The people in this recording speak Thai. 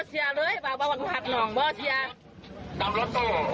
เชื่อเลยบอกว่าบังคับหนองไม่เชื่อ